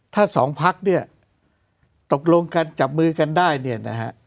ถ้าสองพักเนี่ยตกลงกันจับมือกันได้เนี่ยนะฮะ